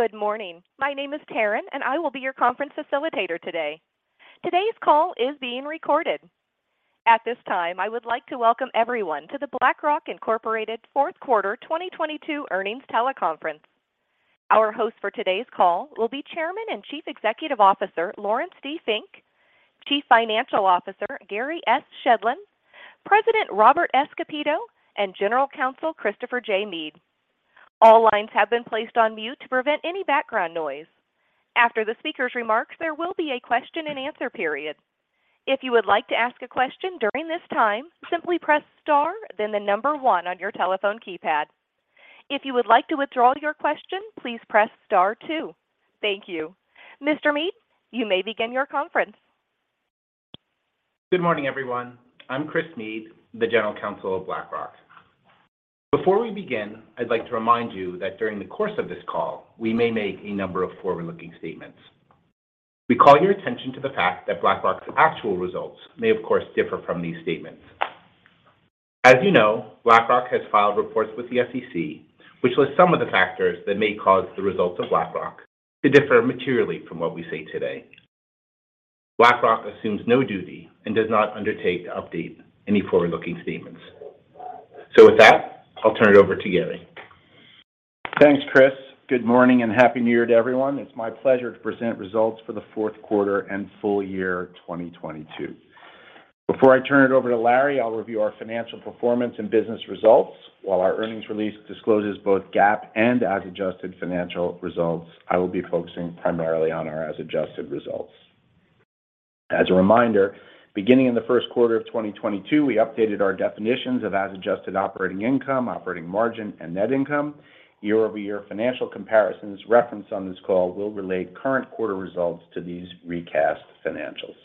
Good morning. My name is Taryn. I will be your conference facilitator today. Today's call is being recorded. At this time, I would like to welcome everyone to the BlackRock, Inc. fourth quarter 2022 earnings teleconference. Our host for today's call will be Chairman and Chief Executive Officer, Laurence D. Fink, Chief Financial Officer, Gary S. Shedlin, President Robert S. Kapito, and General Counsel Christopher J. Meade. All lines have been placed on mute to prevent any background noise. After the speaker's remarks, there will be a question and answer period. If you would like to ask a question during this time, simply press star one on your telephone keypad. If you would like to withdraw your question, please press star 2. Thank you. Mr. Meade, you may begin your conference. Good morning, everyone. I'm Chris Meade, the General Counsel of BlackRock. Before we begin, I'd like to remind you that during the course of this call, we may make a number of forward-looking statements. We call your attention to the fact that BlackRock's actual results may, of course, differ from these statements. As you know, BlackRock has filed reports with the SEC, which lists some of the factors that may cause the results of BlackRock to differ materially from what we say today. BlackRock assumes no duty and does not undertake to update any forward-looking statements. With that, I'll turn it over to Gary. Thanks, Chris. Good morning and Happy New Year to everyone. It's my pleasure to present results for the fourth quarter and full year 2022. Before I turn it over to Larry, I'll review our financial performance and business results. While our earnings release discloses both GAAP and as adjusted financial results, I will be focusing primarily on our as adjusted results. As a reminder, beginning in the first quarter of 2022, we updated our definitions of as adjusted operating income, operating margin, and net income. Year-over-year financial comparisons referenced on this call will relate current quarter results to these recast financials.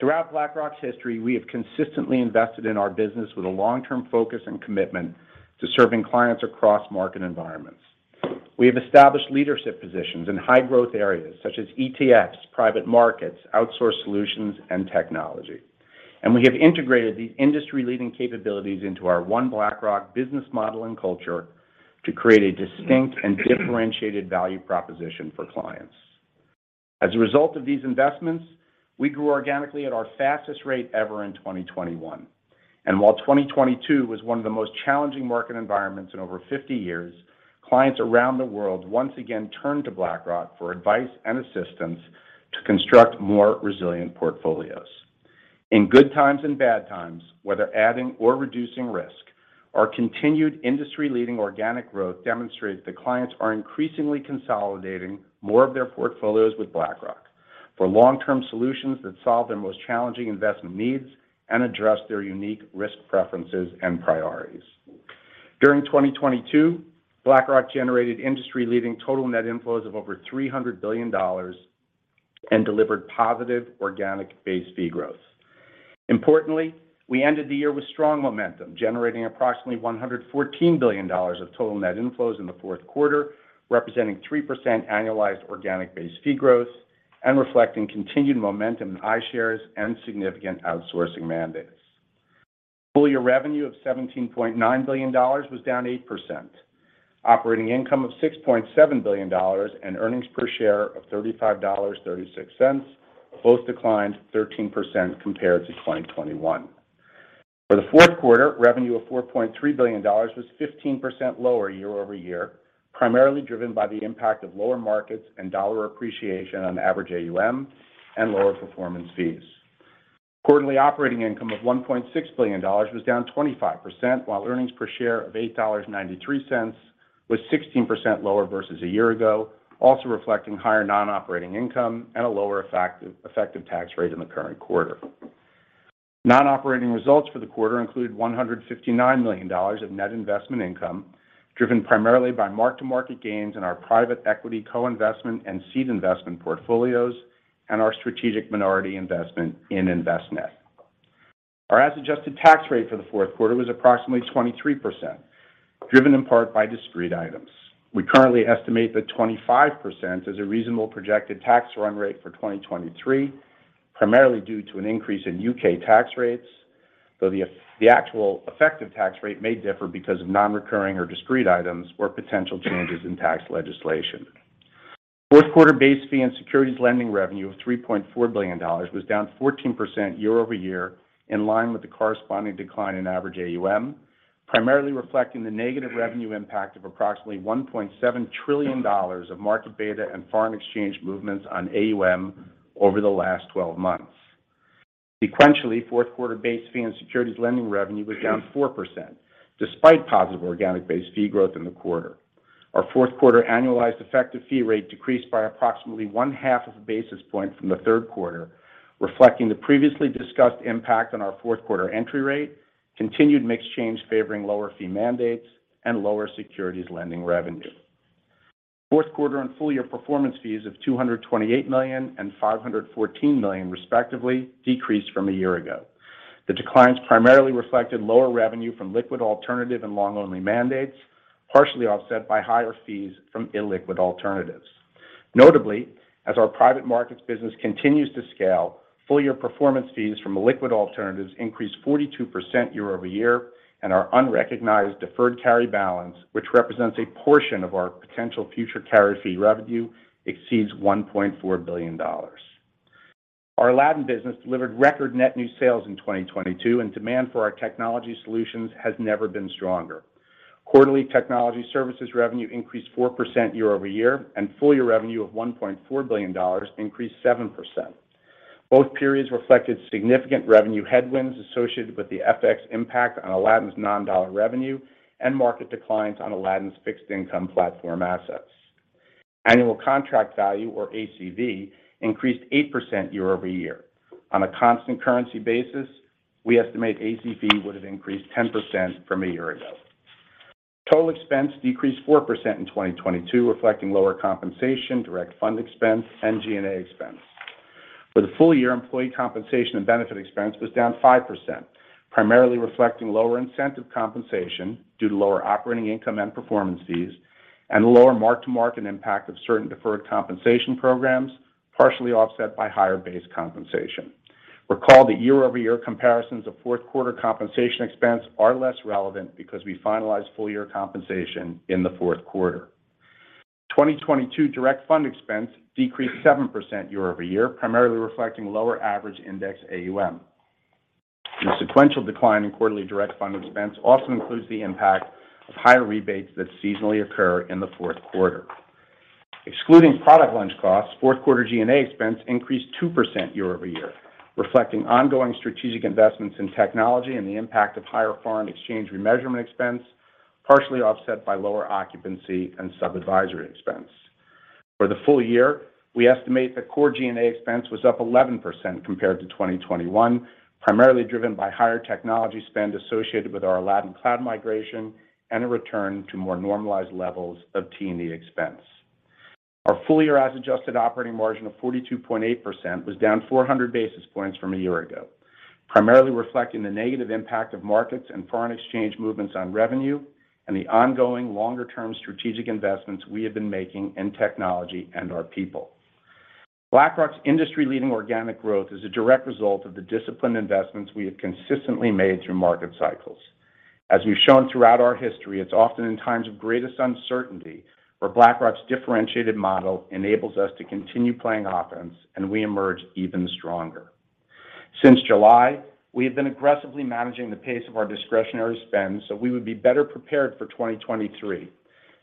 Throughout BlackRock's history, we have consistently invested in our business with a long-term focus and commitment to serving clients across market environments. We have established leadership positions in high growth areas such as ETFs, private markets, outsource solutions, and technology. We have integrated these industry-leading capabilities into our one BlackRock business model and culture to create a distinct and differentiated value proposition for clients. As a result of these investments, we grew organically at our fastest rate ever in 2021. While 2022 was one of the most challenging market environments in over 50 years, clients around the world once again turned to BlackRock for advice and assistance to construct more resilient portfolios. In good times and bad times, whether adding or reducing risk, our continued industry-leading organic growth demonstrates that clients are increasingly consolidating more of their portfolios with BlackRock for long-term solutions that solve their most challenging investment needs and address their unique risk preferences and priorities. During 2022, BlackRock generated industry-leading total net inflows of over $300 billion and delivered positive organic base fee growth. Importantly, we ended the year with strong momentum, generating approximately $114 billion of total net inflows in the fourth quarter, representing 3% annualized organic base fee growth and reflecting continued momentum in iShares and significant outsourcing mandates. Full year revenue of $17.9 billion was down 8%. Operating income of $6.7 billion and earnings per share of $35.36 both declined 13% compared to 2021. For the fourth quarter, revenue of $4.3 billion was 15% lower year-over-year, primarily driven by the impact of lower markets and dollar appreciation on average AUM and lower performance fees. Quarterly operating income of $1.6 billion was down 25%, while earnings per share of $8.93 was 16% lower versus a year ago, also reflecting higher non-operating income and a lower effective tax rate in the current quarter. Non-operating results for the quarter include $159 million of net investment income, driven primarily by mark-to-market gains in our private equity co-investment and seed investment portfolios and our strategic minority investment in Envestnet. Our as adjusted tax rate for the fourth quarter was approximately 23%, driven in part by discrete items. We currently estimate that 25% is a reasonable projected tax run rate for 2023, primarily due to an increase in U.K. tax rates, though the actual effective tax rate may differ because of non-recurring or discrete items or potential changes in tax legislation. Fourth quarter base fee and securities lending revenue of $3.4 billion was down 14% year-over-year, in line with the corresponding decline in average AUM, primarily reflecting the negative revenue impact of approximately $1.7 trillion of market beta and foreign exchange movements on AUM over the last 12 months. Sequentially, fourth quarter base fee and securities lending revenue was down 4% despite positive organic base fee growth in the quarter. Our fourth quarter annualized effective fee rate decreased by approximately one half of a basis point from the third quarter, reflecting the previously discussed impact on our fourth quarter entry rate, continued mix change favoring lower fee mandates, and lower securities lending revenue. Fourth quarter and full year performance fees of $228 million and $514 million, respectively, decreased from a year ago. The declines primarily reflected lower revenue from liquid alternative and long-only mandates, partially offset by higher fees from illiquid alternatives. Notably, as our private markets business continues to scale, full year performance fees from illiquid alternatives increased 42% year-over-year, and our unrecognized deferred carry balance, which represents a portion of our potential future carry fee revenue, exceeds $1.4 billion. Our Aladdin business delivered record net new sales in 2022, and demand for our technology solutions has never been stronger. Quarterly technology services revenue increased 4% year-over-year, and full year revenue of $1.4 billion increased 7%. Both periods reflected significant revenue headwinds associated with the FX impact on Aladdin's non-dollar revenue and market declines on Aladdin's fixed income platform assets. Annual contract value, or ACV, increased 8% year-over-year. On a constant currency basis, we estimate ACV would have increased 10% from a year ago. Total expense decreased 4% in 2022, reflecting lower compensation, direct fund expense, and G&A expense. For the full year, employee compensation and benefit expense was down 5%, primarily reflecting lower incentive compensation due to lower operating income and performance fees and lower mark-to-market impact of certain deferred compensation programs, partially offset by higher base compensation. Recall that year-over-year comparisons of fourth quarter compensation expense are less relevant because we finalize full year compensation in the fourth quarter. 2022 direct fund expense decreased 7% year-over-year, primarily reflecting lower average index AUM. The sequential decline in quarterly direct fund expense also includes the impact of higher rebates that seasonally occur in the fourth quarter. Excluding product launch costs, fourth quarter G&A expense increased 2% year-over-year, reflecting ongoing strategic investments in technology and the impact of higher foreign exchange remeasurement expense, partially offset by lower occupancy and sub-advisory expense. For the full year, we estimate that core G&A expense was up 11% compared to 2021, primarily driven by higher technology spend associated with our Aladdin cloud migration and a return to more normalized levels of T&E expense. Our full-year as-adjusted operating margin of 42.8% was down 400 basis points from a year ago, primarily reflecting the negative impact of markets and foreign exchange movements on revenue and the ongoing longer-term strategic investments we have been making in technology and our people. BlackRock's industry-leading organic growth is a direct result of the disciplined investments we have consistently made through market cycles. As we've shown throughout our history, it's often in times of greatest uncertainty where BlackRock's differentiated model enables us to continue playing offense. We emerge even stronger. Since July, we have been aggressively managing the pace of our discretionary spend so we would be better prepared for 2023,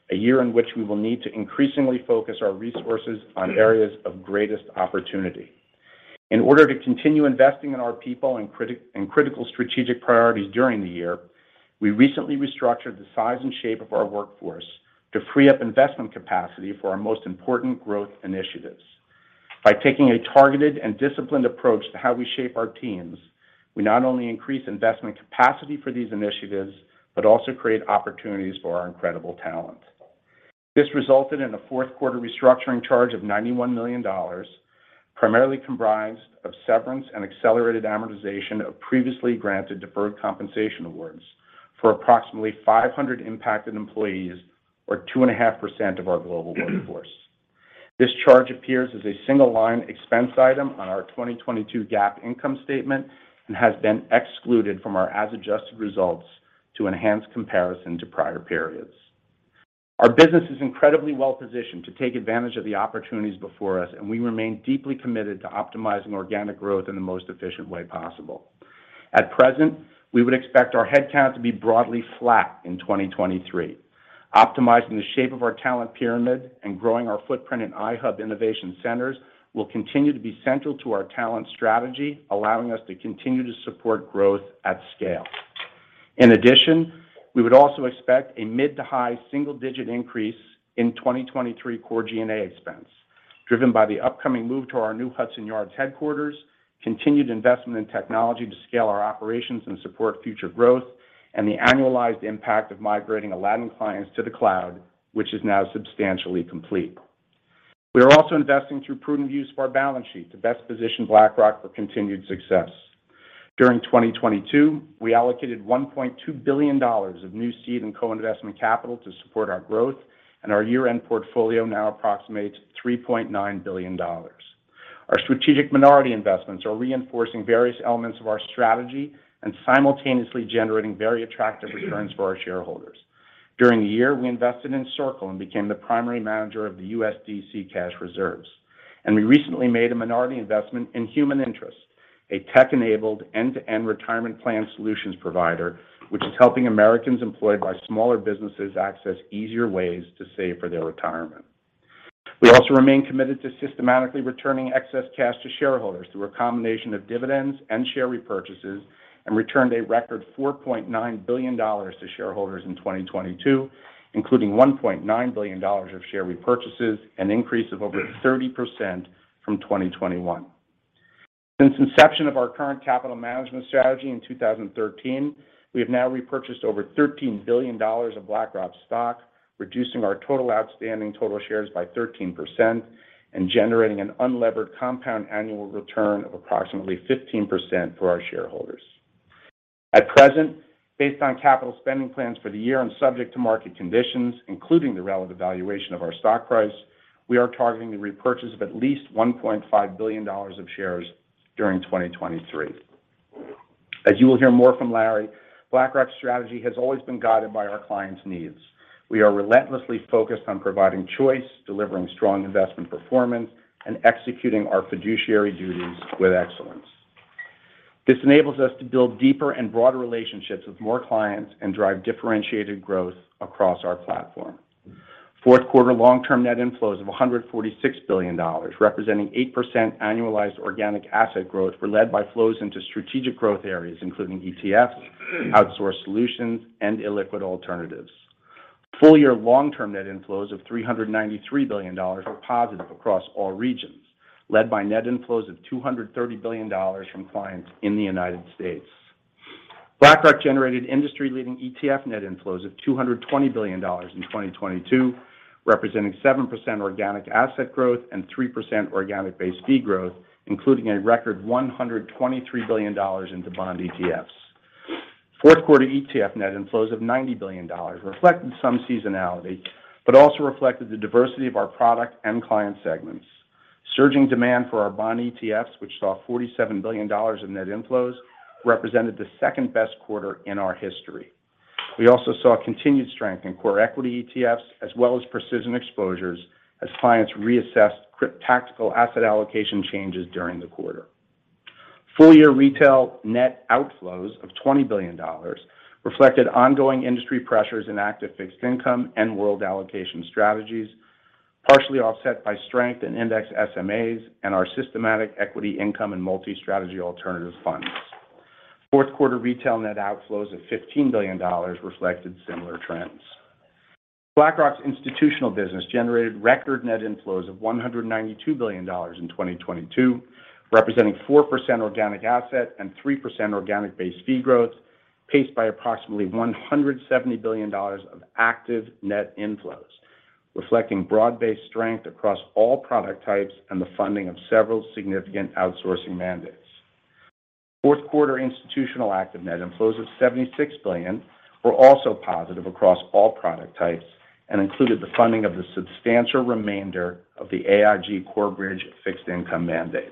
a year in which we will need to increasingly focus our resources on areas of greatest opportunity. In order to continue investing in our people and critical strategic priorities during the year, we recently restructured the size and shape of our workforce to free up investment capacity for our most important growth initiatives. By taking a targeted and disciplined approach to how we shape our teams, we not only increase investment capacity for these initiatives, but also create opportunities for our incredible talent. This resulted in a fourth quarter restructuring charge of $91 million, primarily comprised of severance and accelerated amortization of previously granted deferred compensation awards for approximately 500 impacted employees or 2.5% of our global workforce. This charge appears as a single-line expense item on our 2022 GAAP income statement and has been excluded from our as-adjusted results to enhance comparison to prior periods. Our business is incredibly well positioned to take advantage of the opportunities before us, and we remain deeply committed to optimizing organic growth in the most efficient way possible. At present, we would expect our headcount to be broadly flat in 2023. Optimizing the shape of our talent pyramid and growing our footprint in iHub innovation centers will continue to be central to our talent strategy, allowing us to continue to support growth at scale. We would also expect a mid to high single-digit increase in 2023 core G&A expense, driven by the upcoming move to our new Hudson Yards headquarters, continued investment in technology to scale our operations and support future growth, and the annualized impact of migrating Aladdin clients to the cloud, which is now substantially complete. We are also investing through prudent use of our balance sheet to best position BlackRock for continued success. During 2022, we allocated $1.2 billion of new seed and co-investment capital to support our growth, and our year-end portfolio now approximates $3.9 billion. Our strategic minority investments are reinforcing various elements of our strategy and simultaneously generating very attractive returns for our shareholders. During the year, we invested in Circle and became the primary manager of the USDC cash reserves. We recently made a minority investment in Human Interest, a tech-enabled end-to-end retirement plan solutions provider, which is helping Americans employed by smaller businesses access easier ways to save for their retirement. We also remain committed to systematically returning excess cash to shareholders through a combination of dividends and share repurchases and returned a record $4.9 billion to shareholders in 2022, including $1.9 billion of share repurchases, an increase of over 30% from 2021. Since inception of our current capital management strategy in 2013, we have now repurchased over $13 billion of BlackRock stock, reducing our total outstanding shares by 13% and generating an unlevered compound annual return of approximately 15% for our shareholders. At present, based on capital spending plans for the year and subject to market conditions, including the relative valuation of our stock price, we are targeting the repurchase of at least $1.5 billion of shares during 2023. As you will hear more from Larry, BlackRock's strategy has always been guided by our clients' needs. We are relentlessly focused on providing choice, delivering strong investment performance, and executing our fiduciary duties with excellence. This enables us to build deeper and broader relationships with more clients and drive differentiated growth across our platform. Fourth quarter long-term net inflows of $146 billion, representing 8% annualized organic asset growth, were led by flows into strategic growth areas, including ETFs, outsourced solutions, and illiquid alternatives. Full year long-term net inflows of $393 billion were positive across all regions, led by net inflows of $230 billion from clients in the United States. BlackRock generated industry-leading ETF net inflows of $220 billion in 2022, representing 7% organic asset growth and 3% organic base fee growth, including a record $123 billion into bond ETFs. Fourth quarter ETF net inflows of $90 billion reflected some seasonality but also reflected the diversity of our product and client segments. Surging demand for our bond ETFs, which saw $47 billion in net inflows, represented the second-best quarter in our history. We also saw continued strength in core equity ETFs as well as precision exposures as clients reassessed tactical asset allocation changes during the quarter. Full year retail net outflows of $20 billion reflected ongoing industry pressures in active fixed income and world allocation strategies, partially offset by strength in index SMAs and our systematic equity income and multi-strategy alternative funds. Fourth quarter retail net outflows of $15 billion reflected similar trends. BlackRock's institutional business generated record net inflows of $192 billion in 2022, representing 4% organic asset and 3% organic base fee growth, paced by approximately $170 billion of active net inflows, reflecting broad-based strength across all product types and the funding of several significant outsourcing mandates. Fourth quarter institutional active net inflows of $76 billion were also positive across all product types and included the funding of the substantial remainder of the Corebridge Financial fixed income mandate.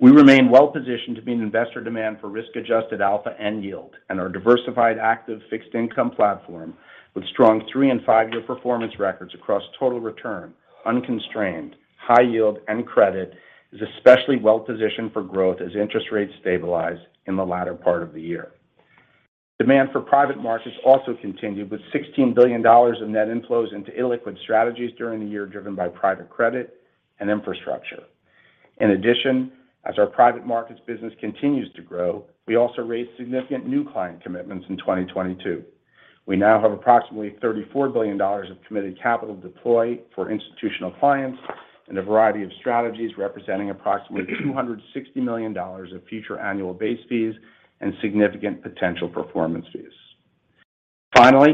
We remain well positioned to meet investor demand for risk-adjusted alpha end yield and our diversified active fixed income platform with strong three and five-year performance records across total return, unconstrained, high yield, and credit is especially well positioned for growth as interest rates stabilize in the latter part of the year. Demand for private markets also continued, with $16 billion in net inflows into illiquid strategies during the year, driven by private credit and infrastructure. As our private markets business continues to grow, we also raised significant new client commitments in 2022. We now have approximately $34 billion of committed capital to deploy for institutional clients in a variety of strategies, representing approximately $260 million of future annual base fees and significant potential performance fees.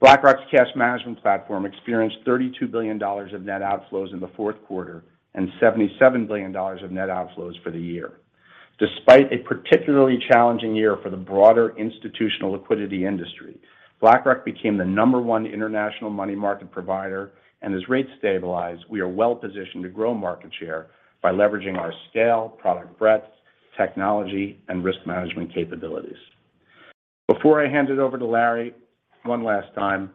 BlackRock's cash management platform experienced $32 billion of net outflows in the fourth quarter and $77 billion of net outflows for the year. Despite a particularly challenging year for the broader institutional liquidity industry, BlackRock became the number one international money market provider. As rates stabilize, we are well positioned to grow market share by leveraging our scale, product breadth, technology, and risk management capabilities. Before I hand it over to Larry one last time,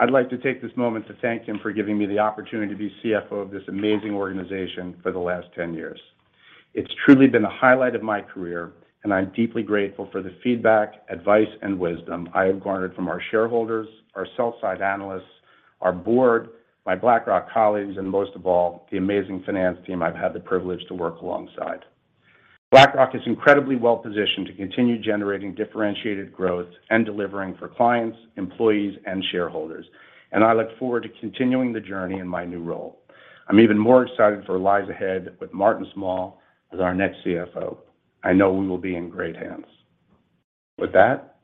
I'd like to take this moment to thank him for giving me the opportunity to be CFO of this amazing organization for the last 10 years. It's truly been the highlight of my career. I'm deeply grateful for the feedback, advice, and wisdom I have garnered from our shareholders, our sell-side analysts, our board, my BlackRock colleagues, and most of all, the amazing finance team I've had the privilege to work alongside. BlackRock is incredibly well positioned to continue generating differentiated growth and delivering for clients, employees, and shareholders. I look forward to continuing the journey in my new role. I'm even more excited for what lies ahead with Martin Small as our next CFO. I know we will be in great hands. With that,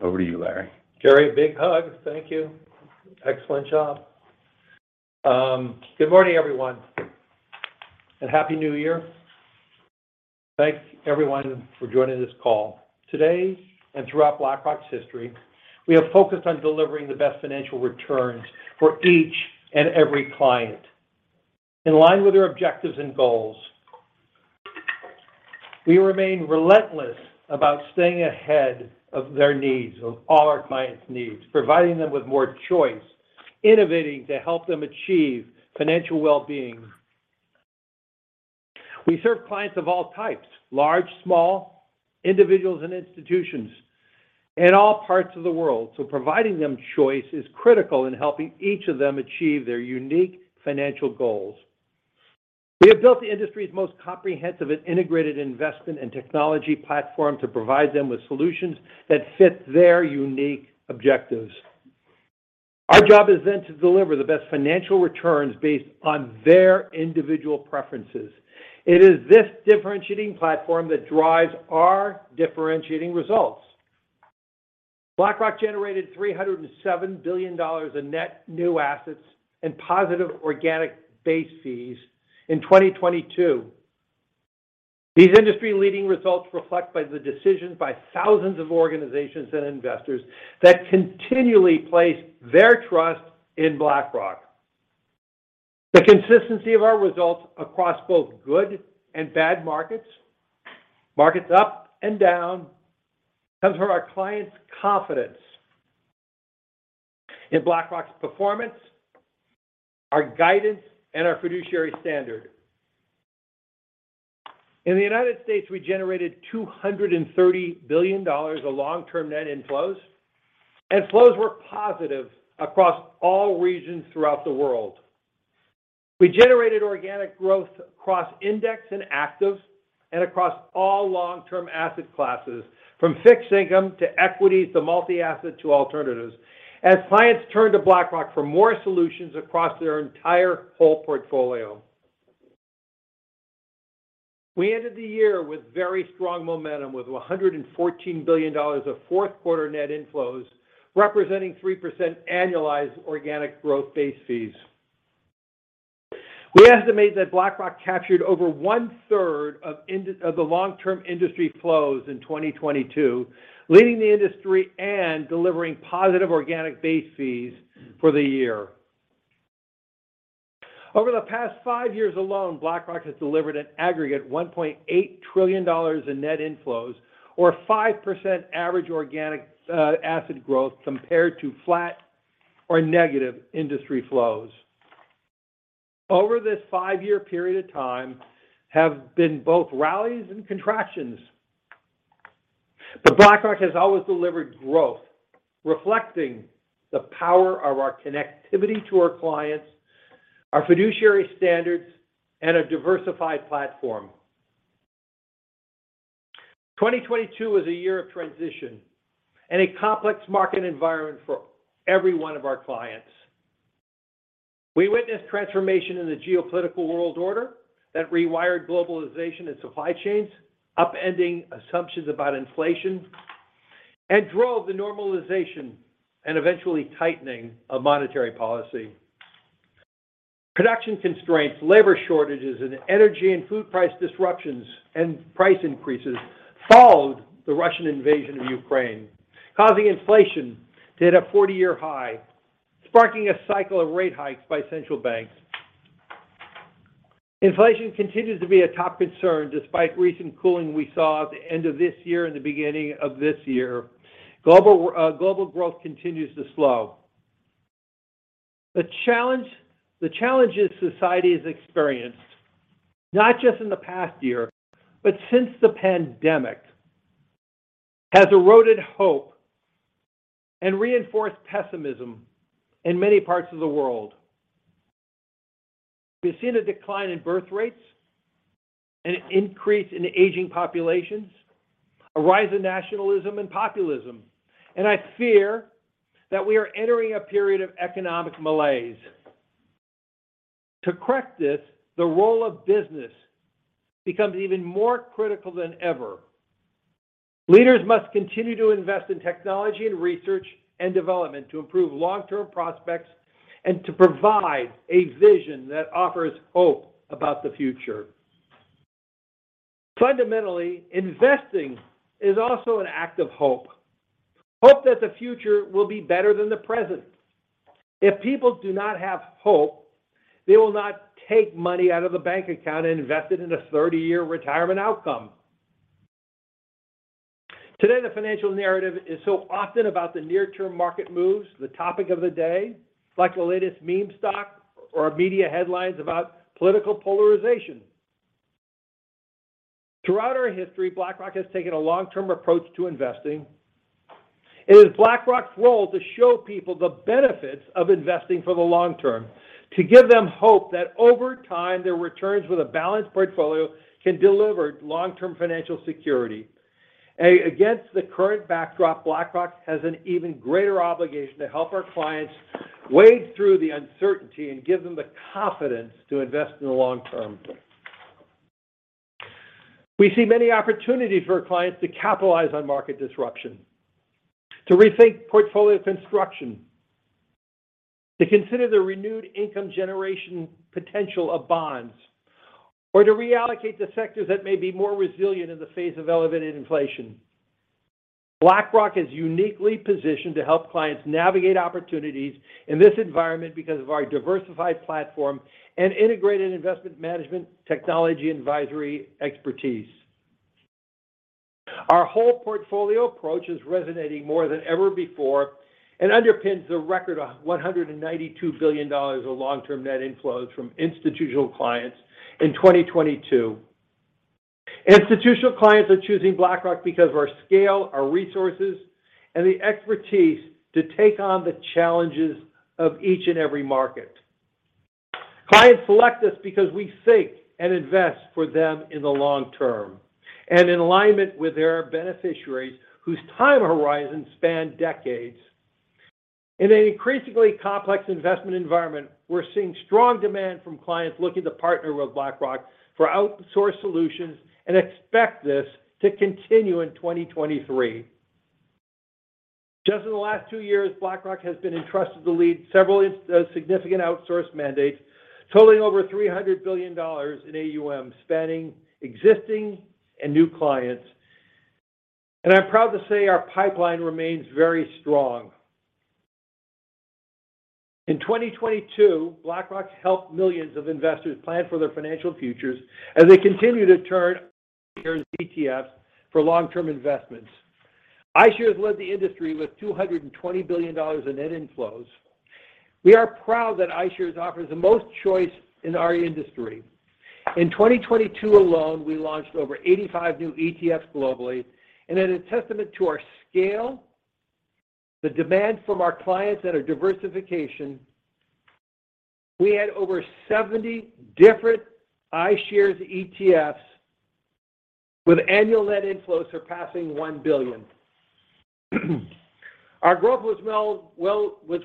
over to you, Larry. Gary, big hug. Thank you. Excellent job. Good morning, everyone. Happy New Year. Thanks everyone for joining this call. Today and throughout BlackRock's history, we have focused on delivering the best financial returns for each and every client. In line with their objectives and goals, we remain relentless about staying ahead of their needs, of all our clients' needs, providing them with more choice, innovating to help them achieve financial well-being. We serve clients of all types, large, small, individuals and institutions, in all parts of the world. Providing them choice is critical in helping each of them achieve their unique financial goals. We have built the industry's most comprehensive and integrated investment and technology platform to provide them with solutions that fit their unique objectives. Our job is to deliver the best financial returns based on their individual preferences. It is this differentiating platform that drives our differentiating results. BlackRock generated $307 billion in net new assets and positive organic base fees in 2022. These industry-leading results reflect by the decisions by thousands of organizations and investors that continually place their trust in BlackRock. The consistency of our results across both good and bad markets up and down, comes from our clients' confidence in BlackRock's performance, our guidance, and our fiduciary standard. In the United States, we generated $230 billion of long-term net inflows, flows were positive across all regions throughout the world. We generated organic growth across index and actives and across all long-term asset classes, from fixed income to equities to multi-asset to alternatives, as clients turned to BlackRock for more solutions across their entire whole portfolio. We ended the year with very strong momentum with $114 billion of fourth quarter net inflows, representing 3% annualized organic growth base fees. We estimate that BlackRock captured over 1/3 of the long-term industry flows in 2022, leading the industry and delivering positive organic base fees for the year. Over the past five years alone, BlackRock has delivered an aggregate $1.8 trillion in net inflows or 5% average organic asset growth compared to flat or negative industry flows. Over this five-year period of time have been both rallies and contractions, BlackRock has always delivered growth, reflecting the power of our connectivity to our clients, our fiduciary standards, and a diversified platform. 2022 was a year of transition and a complex market environment for every one of our clients. We witnessed transformation in the geopolitical world order that rewired globalization and supply chains, upending assumptions about inflation, and drove the normalization and eventually tightening of monetary policy. Production constraints, labor shortages, and energy and food price disruptions and price increases followed the Russian invasion of Ukraine, causing inflation to hit a 40-year high, sparking a cycle of rate hikes by central banks. Inflation continues to be a top concern despite recent cooling we saw at the end of this year and the beginning of this year. Global growth continues to slow. The challenges society has experienced, not just in the past year, but since the pandemic, has eroded hope and reinforced pessimism in many parts of the world. We've seen a decline in birth rates, an increase in aging populations, a rise in nationalism and populism. I fear that we are entering a period of economic malaise. To correct this, the role of business becomes even more critical than ever. Leaders must continue to invest in technology and research and development to improve long-term prospects and to provide a vision that offers hope about the future. Fundamentally, investing is also an act of hope. Hope that the future will be better than the present. If people do not have hope, they will not take money out of the bank account and invest it in a 30-year retirement outcome. Today, the financial narrative is so often about the near-term market moves, the topic of the day, like the latest meme stock or media headlines about political polarization. Throughout our history, BlackRock has taken a long-term approach to investing. It is BlackRock's role to show people the benefits of investing for the long term, to give them hope that over time, their returns with a balanced portfolio can deliver long-term financial security. Against the current backdrop, BlackRock has an even greater obligation to help our clients wade through the uncertainty and give them the confidence to invest in the long term. We see many opportunities for our clients to capitalize on market disruption, to rethink portfolio construction, to consider the renewed income generation potential of bonds, or to reallocate to sectors that may be more resilient in the face of elevated inflation. BlackRock is uniquely positioned to help clients navigate opportunities in this environment because of our diversified platform and integrated investment management technology advisory expertise. Our whole portfolio approach is resonating more than ever before and underpins the record $192 billion of long-term net inflows from institutional clients in 2022. Institutional clients are choosing BlackRock because of our scale, our resources, and the expertise to take on the challenges of each and every market. Clients select us because we think and invest for them in the long term and in alignment with their beneficiaries whose time horizons span decades. In an increasingly complex investment environment, we're seeing strong demand from clients looking to partner with BlackRock for outsourced solutions and expect this to continue in 2023. Just in the last two years, BlackRock has been entrusted to lead several significant outsource mandates totaling over $300 billion in AUM, spanning existing and new clients. I'm proud to say our pipeline remains very strong. In 2022, BlackRock helped millions of investors plan for their financial futures as they continue to turn to iShares ETFs for long-term investments. iShares led the industry with $220 billion in net inflows. We are proud that iShares offers the most choice in our industry. In 2022 alone, we launched over 85 new ETFs globally, and in a testament to our scale, the demand from our clients that are diversification, we had over 70 different iShares ETFs with annual net inflows surpassing $1 billion. Our growth was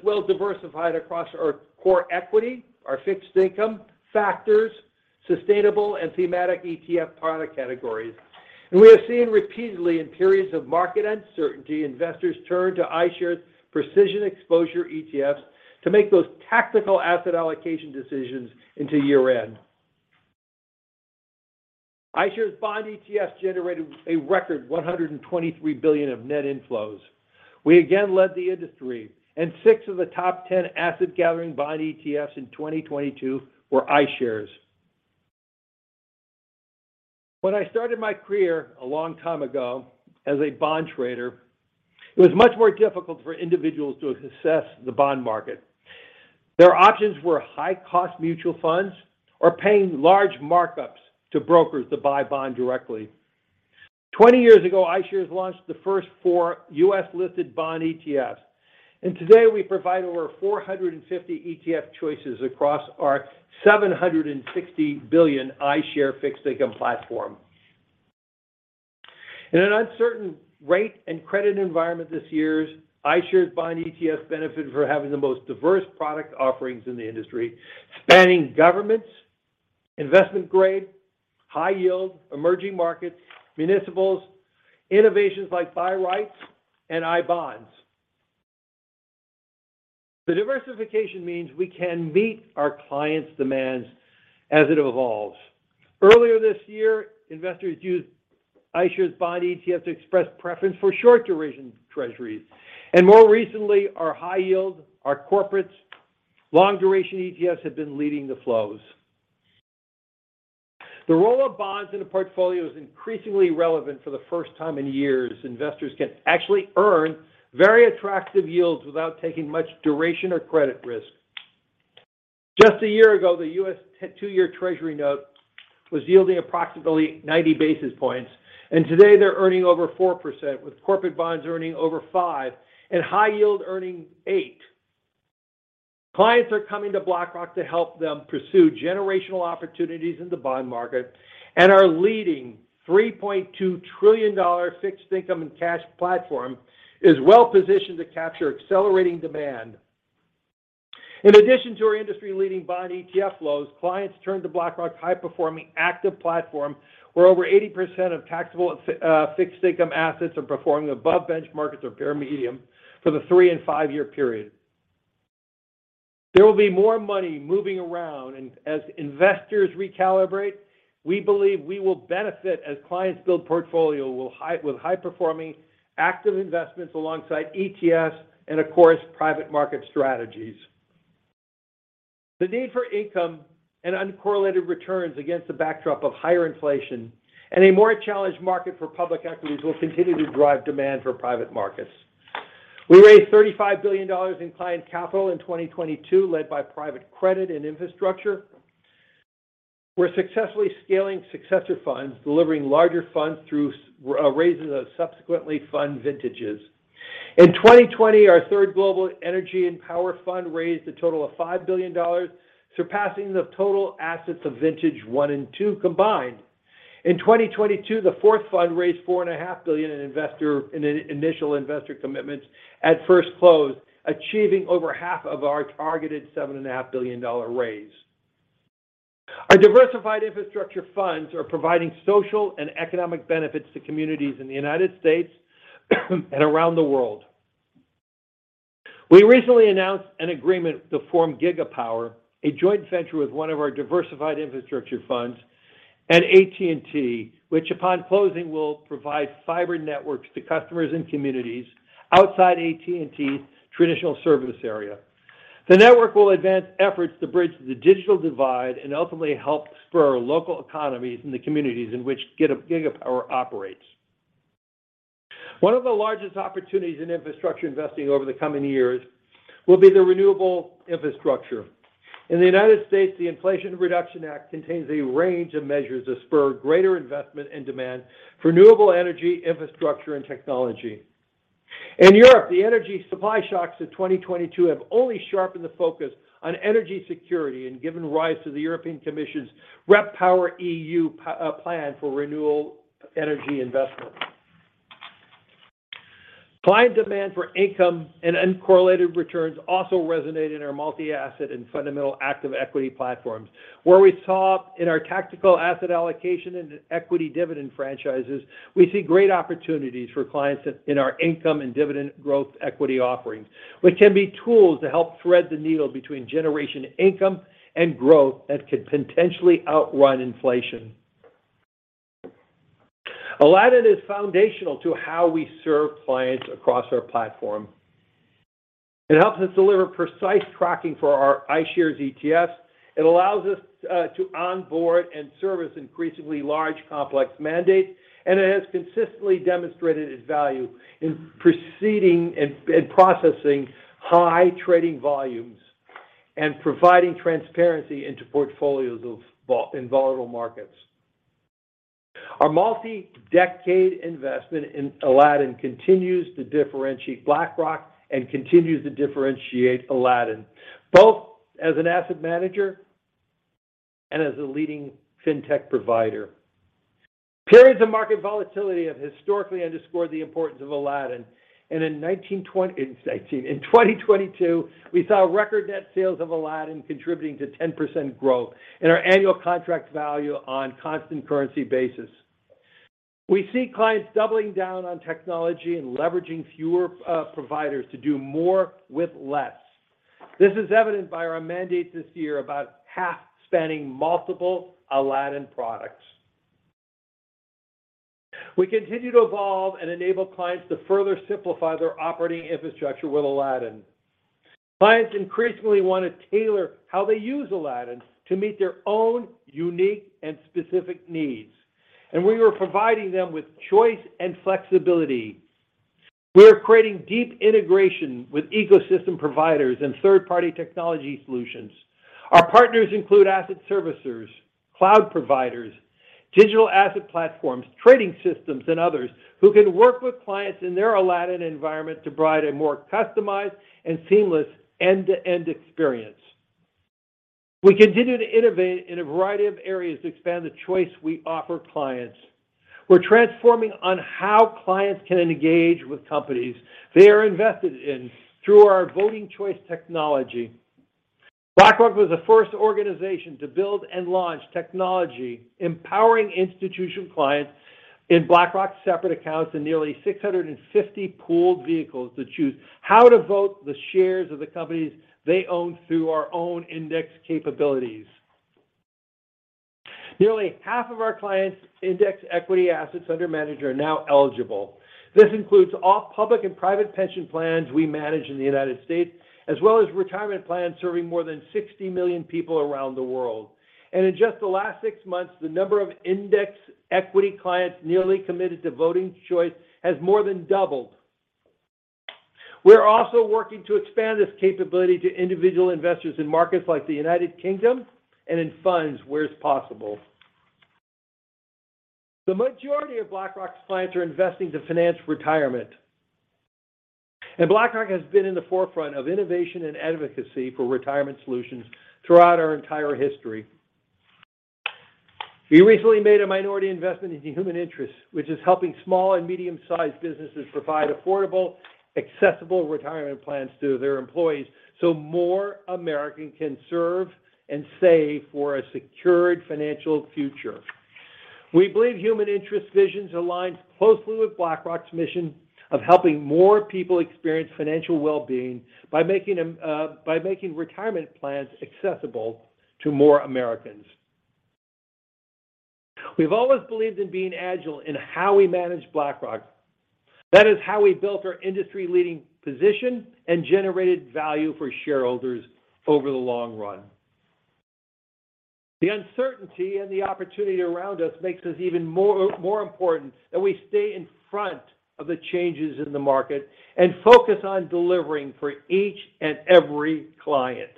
well diversified across our core equity, our fixed income factors, sustainable and thematic ETF product categories. We have seen repeatedly in periods of market uncertainty, investors turn to iShares precision exposure ETFs to make those tactical asset allocation decisions into year-end. iShares bond ETFs generated a record $123 billion of net inflows. We again led the industry, six of the top 10 asset-gathering bond ETFs in 2022 were iShares. When I started my career a long time ago as a bond trader, it was much more difficult for individuals to assess the bond market. Their options were high-cost mutual funds or paying large markups to brokers to buy bond directly. Twenty years ago, iShares launched the first four U.S.-listed bond ETFs, today we provide over 450 ETF choices across our $760 billion iShare fixed income platform. In an uncertain rate and credit environment this year, iShares bond ETF benefited for having the most diverse product offerings in the industry, spanning governments, investment grade, high yield, emerging markets, municipals, innovations like BuyWrites and iBonds. The diversification means we can meet our clients' demands as it evolves. Earlier this year, investors used iShares bond ETFs to express preference for short-duration treasuries. More recently, our high yield, our corporates, long-duration ETFs have been leading the flows. The role of bonds in a portfolio is increasingly relevant for the first time in years. Investors can actually earn very attractive yields without taking much duration or credit risk. Just a year ago, the U.S. two-year Treasury note was yielding approximately 90 basis points. Today they're earning over 4%, with corporate bonds earning over 5% and high yield earning 8%. Clients are coming to BlackRock to help them pursue generational opportunities in the bond market. Our leading $3.2 trillion fixed income and cash platform is well-positioned to capture accelerating demand. In addition to our industry-leading bond ETF flows, clients turn to BlackRock's high-performing active platform, where over 80% of taxable fixed income assets are performing above benchmarks or peer medium for the three and five-year period. There will be more money moving around, and as investors recalibrate, we believe we will benefit as clients build portfolio with high-performing active investments alongside ETFs and of course, private market strategies. The need for income and uncorrelated returns against the backdrop of higher inflation and a more challenged market for public equities will continue to drive demand for private markets. We raised $35 billion in client capital in 2022, led by private credit and infrastructure. We're successfully scaling successor funds, delivering larger funds through raising those subsequently fund vintages. In 2020, our third global energy and power fund raised a total of $5 billion, surpassing the total assets of vintage one and two combined. In 2022, the fourth fund raised four and a half billion dollars in initial investor commitments at first close, achieving over half of our targeted seven and a half billion dollar raise. Our diversified infrastructure funds are providing social and economic benefits to communities in the United States and around the world. We recently announced an agreement to form Gigapower, a joint venture with one of our diversified infrastructure funds, and AT&T, which upon closing will provide fiber networks to customers and communities outside AT&T's traditional service area. The network will advance efforts to bridge the digital divide and ultimately help spur local economies in the communities in which Gigapower operates. One of the largest opportunities in infrastructure investing over the coming years will be the renewable infrastructure. In the United States, the Inflation Reduction Act contains a range of measures to spur greater investment and demand for renewable energy, infrastructure, and technology. In Europe, the energy supply shocks of 2022 have only sharpened the focus on energy security and given rise to the European Commission's REPowerEU plan for renewable energy investment. Client demand for income and uncorrelated returns also resonate in our multi-asset and fundamental active equity platforms. Where we saw in our tactical asset allocation and equity dividend franchises, we see great opportunities for clients in our income and dividend growth equity offerings, which can be tools to help thread the needle between generation income and growth that could potentially outrun inflation. Aladdin is foundational to how we serve clients across our platform. It helps us deliver precise tracking for our iShares ETFs. It allows us to onboard and service increasingly large, complex mandates. It has consistently demonstrated its value in proceeding and processing high trading volumes and providing transparency into portfolios in volatile markets. Our multi-decade investment in Aladdin continues to differentiate BlackRock and continues to differentiate Aladdin, both as an asset manager and as a leading fintech provider. Periods of market volatility have historically underscored the importance of Aladdin. In 2022, we saw record net sales of Aladdin contributing to 10% growth in our annual contract value on constant currency basis. We see clients doubling down on technology and leveraging fewer providers to do more with less. This is evident by our mandate this year, about half spanning multiple Aladdin products. We continue to evolve and enable clients to further simplify their operating infrastructure with Aladdin. Clients increasingly want to tailor how they use Aladdin to meet their own unique and specific needs. We are providing them with choice and flexibility. We are creating deep integration with ecosystem providers and third-party technology solutions. Our partners include asset servicers, cloud providers, digital asset platforms, trading systems, and others who can work with clients in their Aladdin environment to provide a more customized and seamless end-to-end experience. We continue to innovate in a variety of areas to expand the choice we offer clients. We're transforming on how clients can engage with companies they are invested in through our Voting Choice technology. BlackRock was the first organization to build and launch technology, empowering institutional clients in BlackRock's separate accounts and nearly 650 pooled vehicles to choose how to vote the shares of the companies they own through our own index capabilities. Nearly half of our clients' index equity assets under manager are now eligible. This includes all public and private pension plans we manage in the United States, as well as retirement plans serving more than 60 million people around the world. In just the last 6 months, the number of index equity clients nearly committed to Voting Choice has more than doubled. We're also working to expand this capability to individual investors in markets like the United Kingdom and in funds where it's possible. The majority of BlackRock's clients are investing to finance retirement. BlackRock has been in the forefront of innovation and advocacy for retirement solutions throughout our entire history. We recently made a minority investment into Human Interest, which is helping small and medium-sized businesses provide affordable, accessible retirement plans to their employees so more Americans can serve and save for a secured financial future. We believe Human Interest visions aligns closely with BlackRock's mission of helping more people experience financial well-being by making retirement plans accessible to more Americans. We've always believed in being agile in how we manage BlackRock. That is how we built our industry-leading position and generated value for shareholders over the long run. The uncertainty and the opportunity around us makes this even more important that we stay in front of the changes in the market and focus on delivering for each and every client.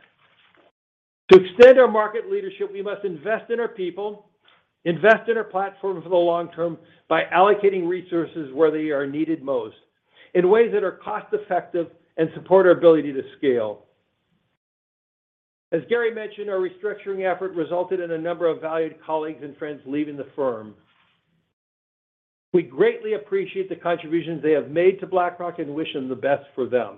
To extend our market leadership, we must invest in our people, invest in our platform for the long term by allocating resources where they are needed most in ways that are cost-effective and support our ability to scale. As Gary mentioned, our restructuring effort resulted in a number of valued colleagues and friends leaving the firm. We greatly appreciate the contributions they have made to BlackRock and wish them the best for them.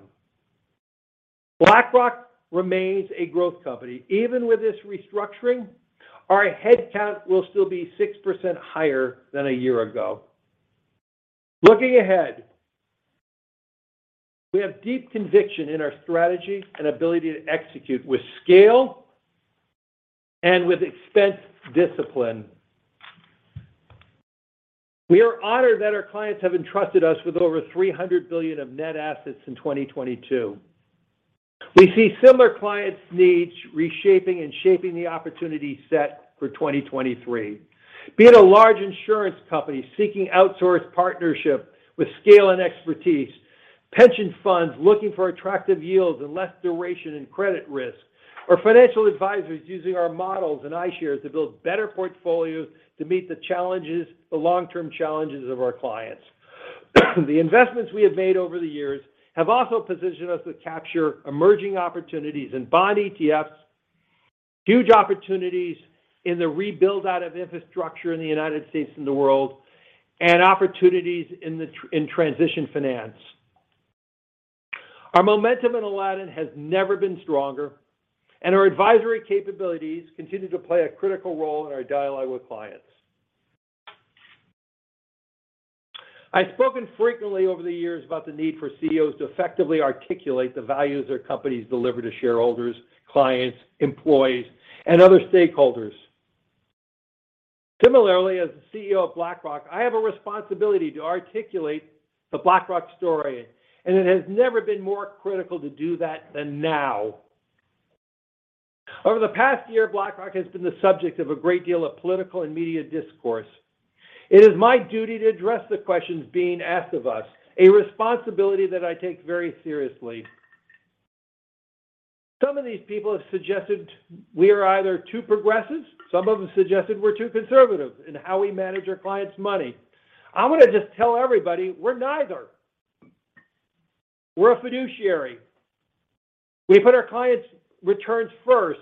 BlackRock remains a growth company. Even with this restructuring, our headcount will still be 6% higher than a year ago. Looking ahead, we have deep conviction in our strategy and ability to execute with scale and with expense discipline. We are honored that our clients have entrusted us with over $300 billion of net assets in 2022. We see similar clients' needs reshaping and shaping the opportunity set for 2023. Be it a large insurance company seeking outsourced partnership with scale and expertise, pension funds looking for attractive yields and less duration and credit risk, or financial advisors using our models and iShares to build better portfolios to meet the challenges, the long-term challenges of our clients. The investments we have made over the years have also positioned us to capture emerging opportunities in bond ETFs Huge opportunities in the rebuild out of infrastructure in the United States and the world, and opportunities in transition finance. Our momentum in Aladdin has never been stronger, and our advisory capabilities continue to play a critical role in our dialogue with clients. I've spoken frequently over the years about the need for CEOs to effectively articulate the values their companies deliver to shareholders, clients, employees, and other stakeholders. Similarly, as the CEO of BlackRock, I have a responsibility to articulate the BlackRock story, and it has never been more critical to do that than now. Over the past year, BlackRock has been the subject of a great deal of political and media discourse. It is my duty to address the questions being asked of us, a responsibility that I take very seriously. Some of these people have suggested we are either too progressive, some of them suggested we're too conservative in how we manage our clients' money. I wanna just tell everybody we're neither. We're a fiduciary. We put our clients' returns first.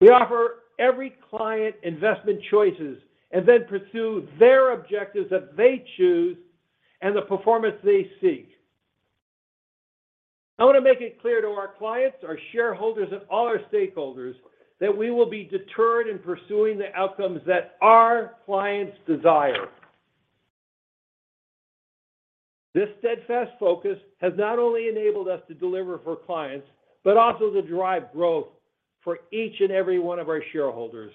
We offer every client investment choices and then pursue their objectives that they choose and the performance they seek. I wanna make it clear to our clients, our shareholders, and all our stakeholders that we will be deterred in pursuing the outcomes that our clients desire. This steadfast focus has not only enabled us to deliver for clients, but also to drive growth for each and every one of our shareholders.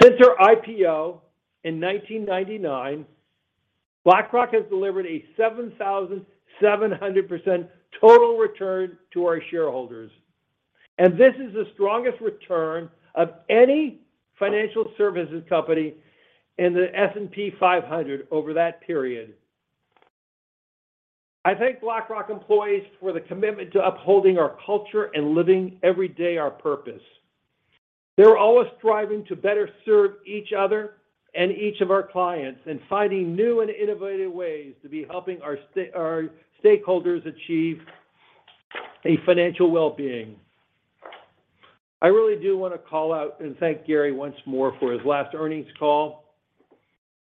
Since our IPO in 1999, BlackRock has delivered a 7,700% total return to our shareholders. This is the strongest return of any financial services company in the S&P 500 over that period. I thank BlackRock employees for the commitment to upholding our culture and living every day our purpose. They're always striving to better serve each other and each of our clients in finding new and innovative ways to be helping our stakeholders achieve a financial well-being. I really do wanna call out and thank Gary once more for his last earnings call.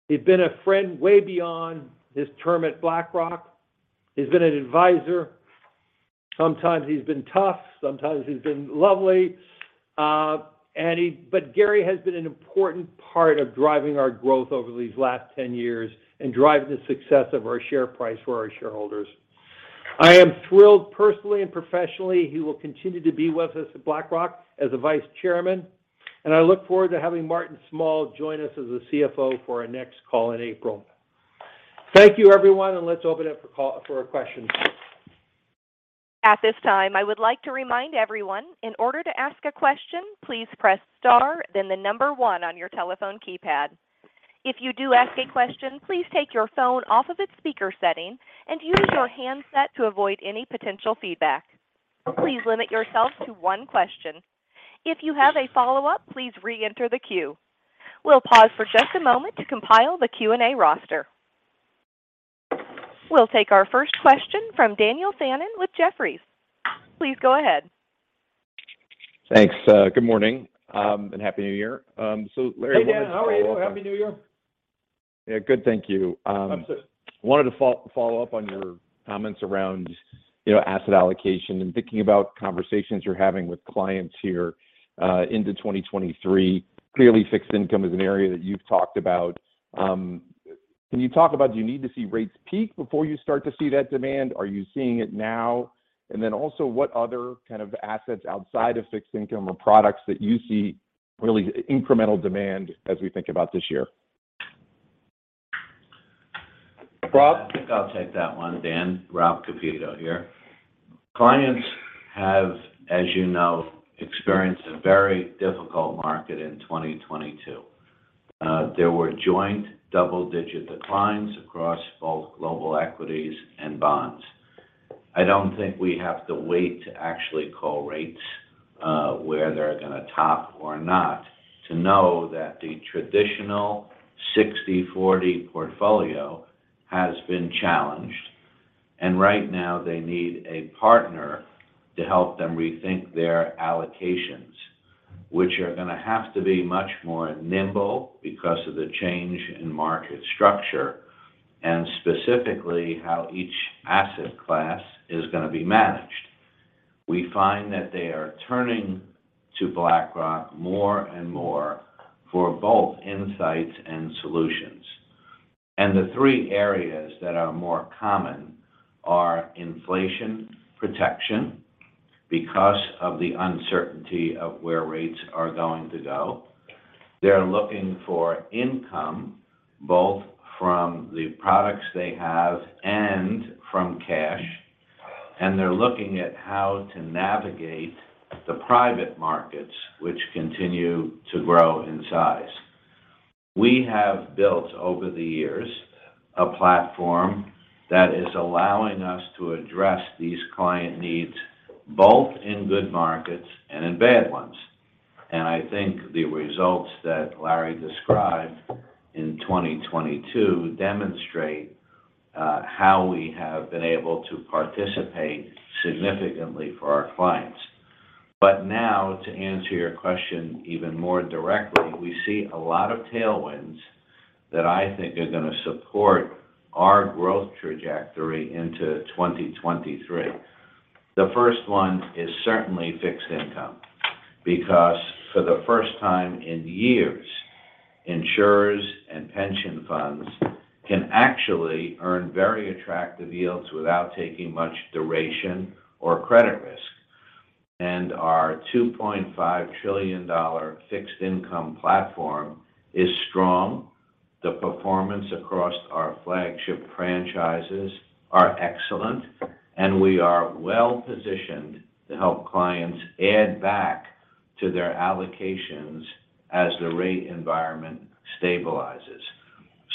He's been a friend way beyond his term at BlackRock. He's been an advisor. Sometimes he's been tough, sometimes he's been lovely. Gary has been an important part of driving our growth over these last 10 years and driving the success of our share price for our shareholders. I am thrilled personally and professionally, he will continue to be with us at BlackRock as a Vice Chairman. I look forward to having Martin Small join us as a CFO for our next call in April. Thank you, everyone. Let's open it up for questions. At this time, I would like to remind everyone, in order to ask a question, please press star then the number one on your telephone keypad. If you do ask a question, please take your phone off of its speaker setting and use your handset to avoid any potential feedback. Please limit yourself to one question. If you have a follow-up, please reenter the queue. We'll pause for just a moment to compile the Q&A roster. We'll take our first question from Daniel Fannon with Jefferies. Please go ahead. Thanks, good morning, and happy New Year. Larry, I wanted to follow up. Hey, Dan. How are you? Happy New Year. Yeah, good. Thank you. Absolutely. Wanted to follow up on your comments around, you know, asset allocation and thinking about conversations you're having with clients here, into 2023. Clearly, fixed income is an area that you've talked about. Can you talk about do you need to see rates peak before you start to see that demand? Are you seeing it now? Also what other kind of assets outside of fixed income or products that you see really incremental demand as we think about this year? Rob? I think I'll take that one, Dan. Rob Kapito here. Clients have, as you know, experienced a very difficult market in 2022. There were joint double-digit declines across both global equities and bonds. I don't think we have to wait to actually call rates, where they're gonna top or not to know that the traditional 60/40 portfolio has been challenged. Right now they need a partner to help them rethink their allocations, which are gonna have to be much more nimble because of the change in market structure, and specifically how each asset class is gonna be managed. We find that they are turning to BlackRock more and more for both insights and solutions. The three areas that are more common are inflation protection because of the uncertainty of where rates are going to go. They're looking for income, both from the products they have and from cash, and they're looking at how to navigate the private markets, which continue to grow in size. We have built over the years a platform that is allowing us to address these client needs, both in good markets and in bad ones. I think the results that Larry described in 2022 demonstrate how we have been able to participate significantly for our clients. Now to answer your question even more directly, we see a lot of tailwinds that I think are gonna support our growth trajectory into 2023. The first one is certainly fixed income, because for the first time in years, insurers and pension funds can actually earn very attractive yields without taking much duration or credit risk. Our $2.5 trillion fixed income platform is strong. The performance across our flagship franchises are excellent, and we are well-positioned to help clients add back to their allocations as the rate environment stabilizes.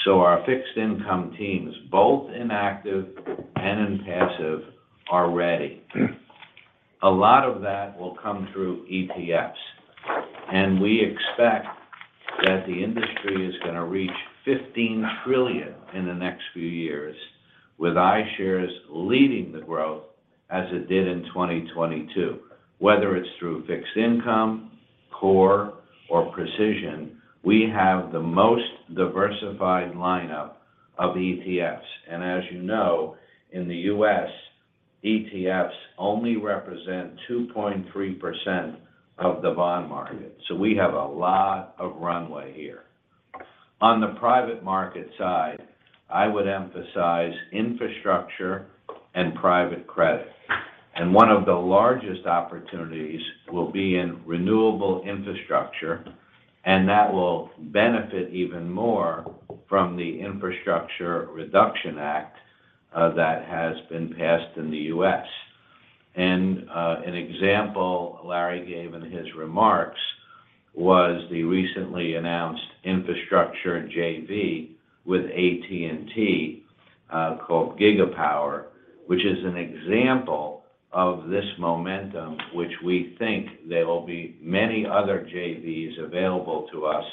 Our fixed income teams, both in active and in passive, are ready. A lot of that will come through ETFs, and we expect that the industry is gonna reach 15 trillion in the next few years with iShares leading the growth as it did in 2022. Whether it's through fixed income, core or precision, we have the most diversified lineup of ETFs. As you know, in the U.S., ETFs only represent 2.3% of the bond market, so we have a lot of runway here. On the private market side, I would emphasize infrastructure and private credit. One of the largest opportunities will be in renewable infrastructure, and that will benefit even more from the Inflation Reduction Act that has been passed in the U.S. An example Larry gave in his remarks was the recently announced infrastructure JV with AT&T called Gigapower, which is an example of this momentum, which we think there will be many other JVs available to us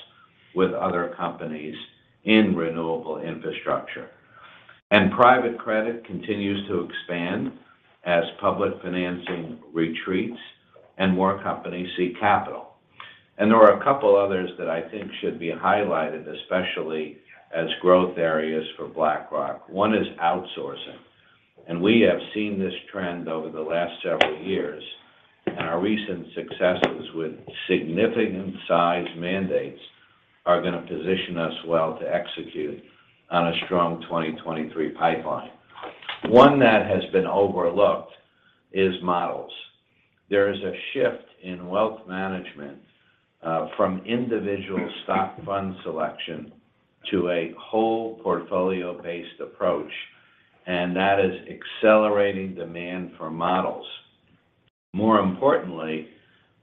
with other companies in renewable infrastructure. Private credit continues to expand as public financing retreats and more companies seek capital. There are a couple others that I think should be highlighted, especially as growth areas for BlackRock. One is outsourcing, and we have seen this trend over the last several years, and our recent successes with significant size mandates are gonna position us well to execute on a strong 2023 pipeline. One that has been overlooked is models. There is a shift in wealth management, from individual stock fund selection to a whole portfolio-based approach, and that is accelerating demand for models. More importantly,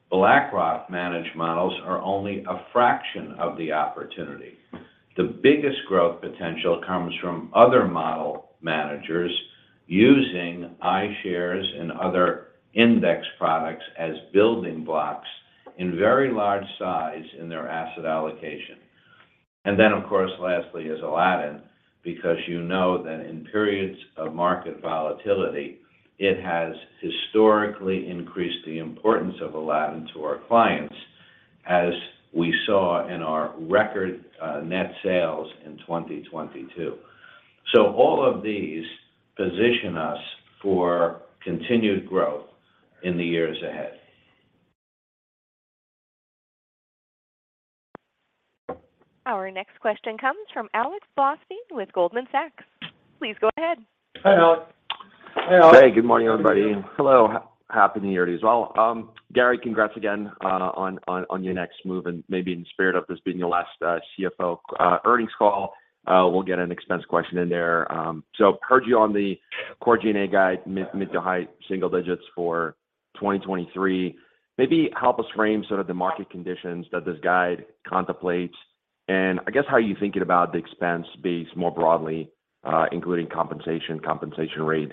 BlackRock managed models are only a fraction of the opportunity. The biggest growth potential comes from other model managers using iShares and other index products as building blocks in very large size in their asset allocation. Of course, lastly is Aladdin, because you know that in periods of market volatility, it has historically increased the importance of Aladdin to our clients, as we saw in our record, net sales in 2022. All of these position us for continued growth in the years ahead. Our next question comes from Alexander Blostein with Goldman Sachs. Please go ahead. Hi, Alex. Hey, Alex. Hey, good morning, everybody. Hello. Happy New Year to you as well. Gary, congrats again, on your next move, and maybe in spirit of this being your last CFO earnings call, we'll get an expense question in there. Heard you on the core G&A guide, mid to high single digits for 2023. Maybe help us frame sort of the market conditions that this guide contemplates and I guess how you're thinking about the expense base more broadly, including compensation rate,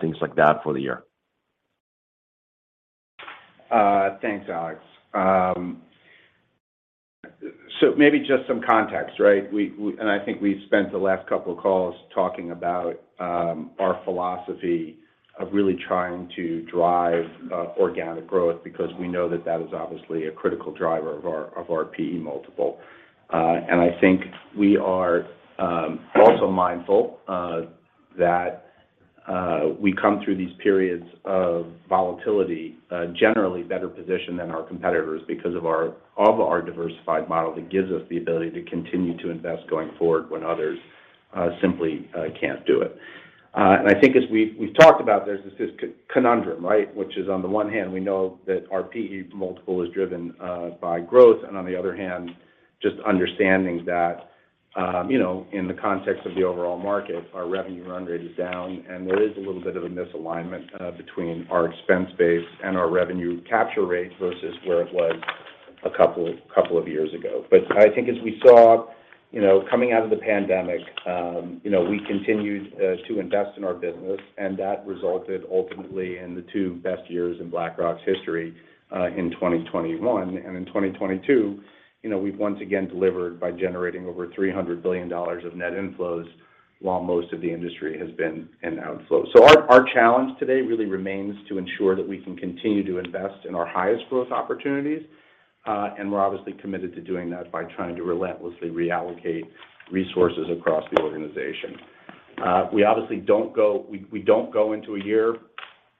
things like that for the year. Thanks, Alex. Maybe just some context, right? We. I think we've spent the last couple of calls talking about our philosophy of really trying to drive organic growth because we know that that is obviously a critical driver of our P/E multiple. I think we are also mindful that we come through these periods of volatility generally better positioned than our competitors because of our diversified model that gives us the ability to continue to invest going forward when others simply can't do it. I think as we've talked about, there's this conundrum, right? On the one hand, we know that our P/E multiple is driven by growth. On the other hand, just understanding that, you know, in the context of the overall market, our revenue run rate is down. There is a little bit of a misalignment between our expense base and our revenue capture rate versus where it was a couple of years ago. I think as we saw You know, coming out of the pandemic, you know, we continued to invest in our business, and that resulted ultimately in the two best years in BlackRock's history, in 2021. In 2022, you know, we've once again delivered by generating over $300 billion of net inflows while most of the industry has been in outflows. Our challenge today really remains to ensure that we can continue to invest in our highest growth opportunities, and we're obviously committed to doing that by trying to relentlessly reallocate resources across the organization. We obviously don't go into a year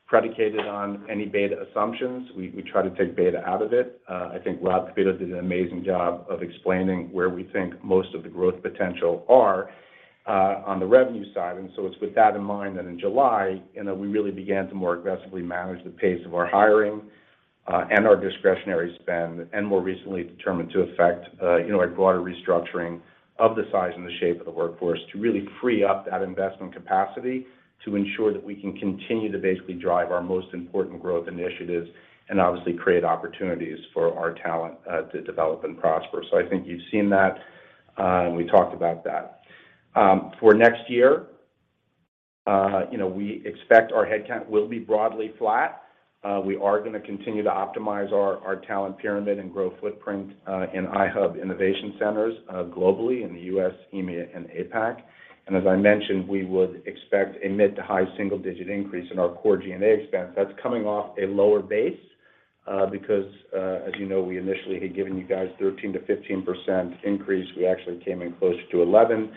predicated on any beta assumptions. We try to take beta out of it. I think Robert Kapito did an amazing job of explaining where we think most of the growth potential are on the revenue side. It's with that in mind that in July, you know, we really began to more aggressively manage the pace of our hiring and our discretionary spend, and more recently determined to effect, you know, a broader restructuring of the size and the shape of the workforce to really free up that investment capacity to ensure that we can continue to basically drive our most important growth initiatives and obviously create opportunities for our talent to develop and prosper. I think you've seen that and we talked about that. For next year, you know, we expect our headcount will be broadly flat. We are gonna continue to optimize our talent pyramid and grow footprint in iHub innovation centers globally in the U.S., EMEA, and APAC. As I mentioned, we would expect a mid to high single digit increase in our core G&A expense. That's coming off a lower base because, as you know, we initially had given you guys 13%-15% increase. We actually came in closer to 11.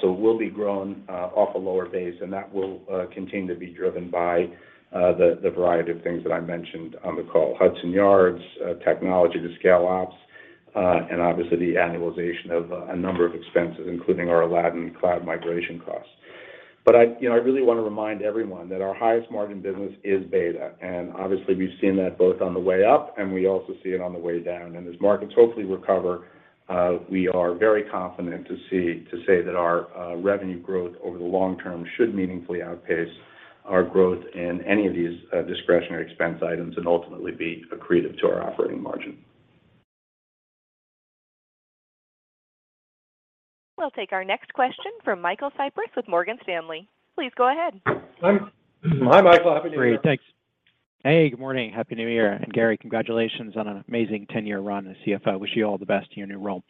So we'll be growing off a lower base, and that will continue to be driven by the variety of things that I mentioned on the call, Hudson Yards, technology to scale ops, and obviously the annualization of a number of expenses, including our Aladdin cloud migration costs. I, you know, I really wanna remind everyone that our highest margin business is beta, and obviously we've seen that both on the way up, and we also see it on the way down. As markets hopefully recover, we are very confident to say that our revenue growth over the long term should meaningfully outpace our growth in any of these discretionary expense items and ultimately be accretive to our operating margin. We'll take our next question from Michael Cyprys with Morgan Stanley. Please go ahead. Hi, Michael. Happy New Year. Great. Thanks. Hey, good morning. Happy New Year. Gary, congratulations on an amazing 10-year run as CFO. Wish you all the best in your new role.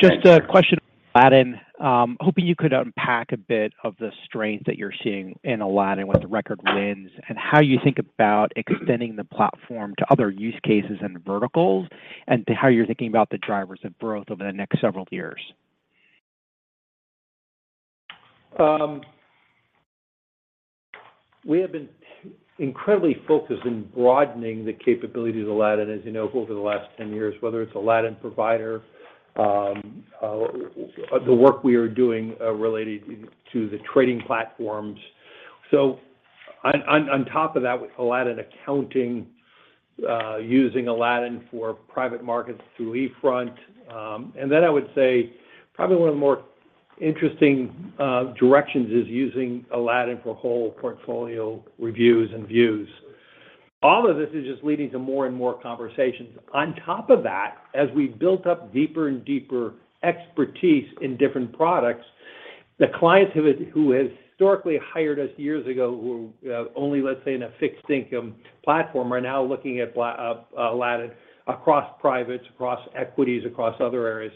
Just a question on Aladdin. Hoping you could unpack a bit of the strength that you're seeing in Aladdin with the record wins and how you think about extending the platform to other use cases and verticals, and how you're thinking about the drivers of growth over the next several years. We have been incredibly focused in broadening the capabilities of Aladdin, as you know, over the last 10 years, whether it's Aladdin Provider, the work we are doing related to the trading platforms. On top of that with Aladdin accounting, using Aladdin for private markets through eFront. I would say probably one of the more interesting directions is using Aladdin for whole portfolio reviews and views. All of this is just leading to more and more conversations. On top of that, as we built up deeper and deeper expertise in different products, the clients who historically hired us years ago, who only, let's say, in a fixed income platform, are now looking at Aladdin across privates, across equities, across other areas.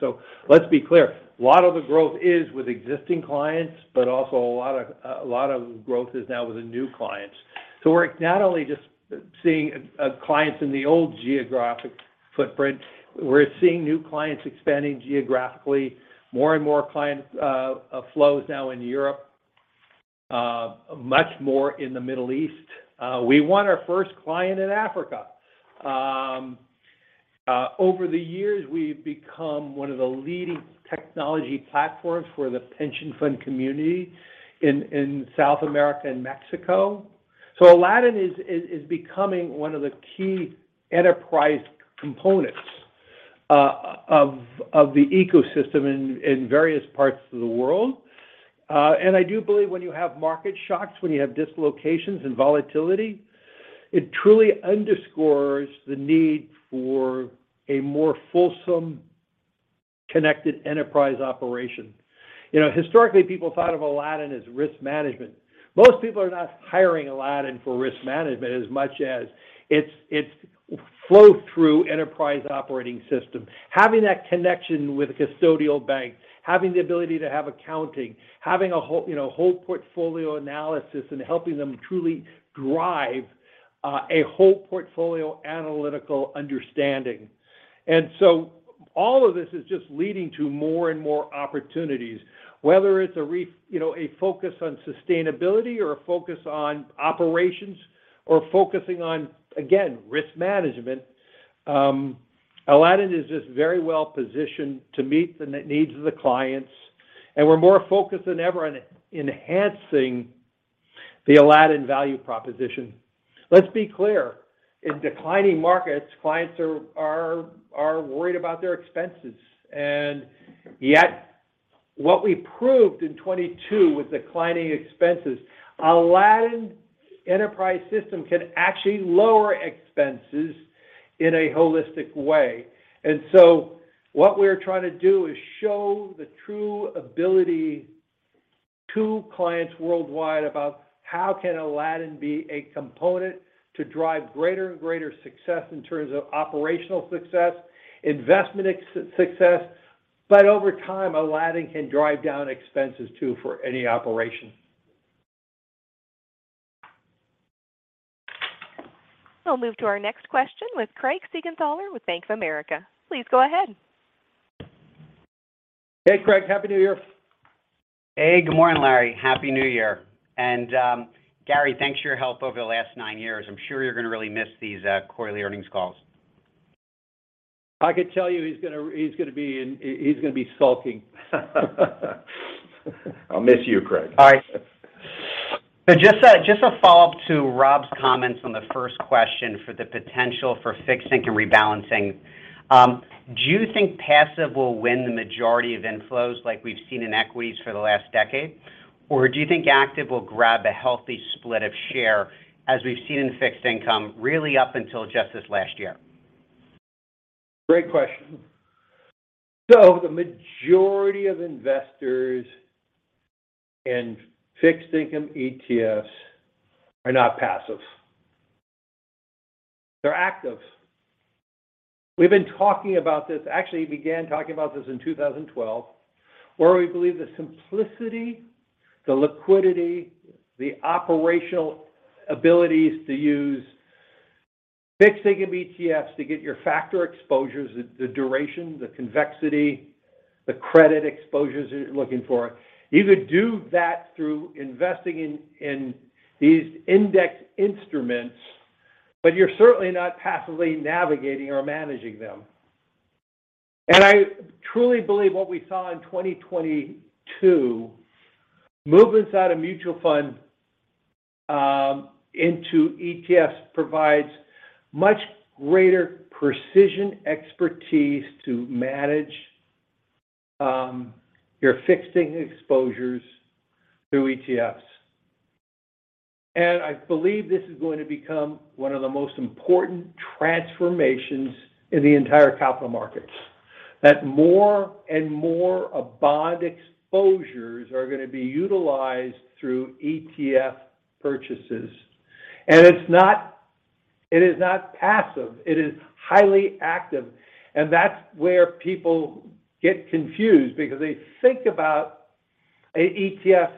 Let's be clear. A lot of the growth is with existing clients, also a lot of growth is now with the new clients. We're not only just seeing clients in the old geographic footprint, we're seeing new clients expanding geographically. More and more client flows now in Europe, much more in the Middle East. We won our first client in Africa. Over the years, we've become one of the leading technology platforms for the pension fund community in South America and Mexico. Aladdin is becoming one of the key enterprise components of the ecosystem in various parts of the world. I do believe when you have market shocks, when you have dislocations and volatility, it truly underscores the need for a more fulsome connected enterprise operation. You know, historically, people thought of Aladdin as risk management. Most people are not hiring Aladdin for risk management as much as it's flow-through enterprise operating system. Having that connection with a custodial bank, having the ability to have accounting, having a whole, you know, whole portfolio analysis and helping them truly drive a whole portfolio analytical understanding. All of this is just leading to more and more opportunities. Whether it's a you know, a focus on sustainability or a focus on operations or focusing on, again, risk management, Aladdin is just very well positioned to meet the needs of the clients. We're more focused than ever on enhancing the Aladdin value proposition. Let's be clear. In declining markets, clients are worried about their expenses. Yet. What we proved in 2022 with declining expenses, Aladdin Enterprise system can actually lower expenses in a holistic way. What we're trying to do is show the true ability to clients worldwide about how can Aladdin be a component to drive greater and greater success in terms of operational success, investment success. Over time, Aladdin can drive down expenses too for any operation. We'll move to our next question with Craig Siegenthaler with Bank of America. Please go ahead. Hey, Craig. Happy New Year. Hey, good morning, Larry. Happy New Year. Gary, thanks for your help over the last nine years. I'm sure you're gonna really miss these, quarterly earnings calls. I could tell you he's gonna, he's gonna be sulking. I'll miss you, Craig. All right. Just a follow-up to Rob's comments on the first question for the potential for fixed income rebalancing. Do you think passive will win the majority of inflows like we've seen in equities for the last decade? Do you think active will grab a healthy split of share, as we've seen in fixed income, really up until just this last year? Great question. The majority of investors in fixed income ETFs are not passives. They're actives. We've been talking about this. Actually began talking about this in 2012, where we believe the simplicity, the liquidity, the operational abilities to use fixed income ETFs to get your factor exposures, the duration, the convexity, the credit exposures you're looking for. You could do that through investing in these index instruments, but you're certainly not passively navigating or managing them. I truly believe what we saw in 2022, movements out of mutual funds into ETFs provides much greater precision expertise to manage your fixed income exposures through ETFs. I believe this is going to become one of the most important transformations in the entire capital markets, that more and more of bond exposures are gonna be utilized through ETF purchases. It is not passive, it is highly active. That's where people get confused because they think about a ETF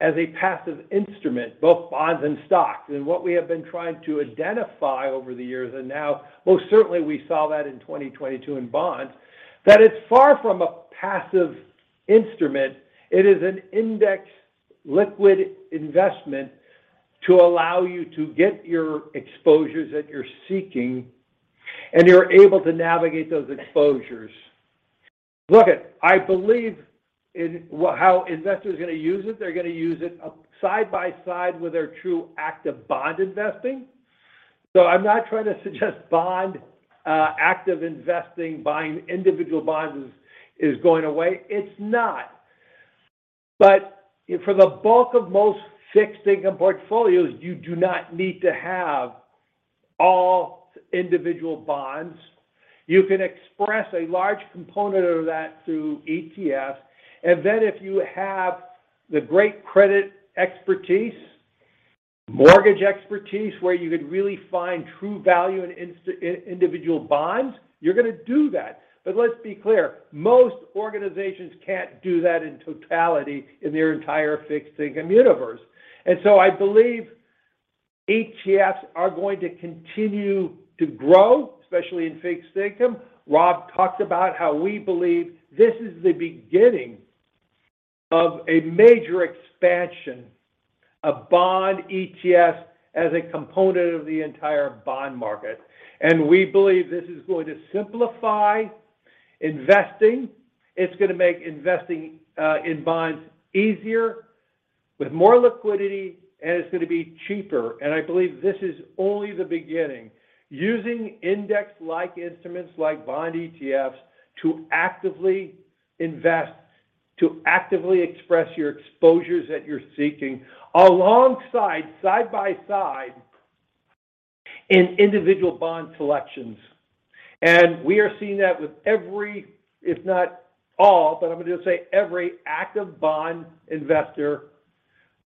as a passive instrument, both bonds and stocks. What we have been trying to identify over the years, and now most certainly we saw that in 2022 in bonds, that it's far from a passive instrument. It is an index liquid investment to allow you to get your exposures that you're seeking, and you're able to navigate those exposures. Look it, I believe in how investors are gonna use it, they're gonna use it up side by side with their true active bond investing. I'm not trying to suggest bond active investing, buying individual bonds is going away. It's not. For the bulk of most fixed income portfolios, you do not need to have all individual bonds. You can express a large component of that through ETF. If you have the great credit expertise, mortgage expertise, where you could really find true value in in individual bonds, you're gonna do that. Let's be clear, most organizations can't do that in totality in their entire fixed income universe. I believe ETFs are going to continue to grow, especially in fixed income. Rob talked about how we believe this is the beginning of a major expansion of bond ETFs as a component of the entire bond market. We believe this is going to simplify investing. It's gonna make investing in bonds easier with more liquidity, and it's gonna be cheaper. I believe this is only the beginning. Using index-like instruments like bond ETFs to actively invest, to actively express your exposures that you're seeking alongside, side by side, in individual bond selections. We are seeing that with every, if not all, but I'm gonna just say every active bond investor